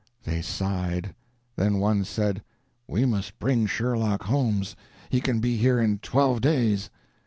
They sighed; then one said: "We must bring Sherlock Holmes. He can be here in twelve days."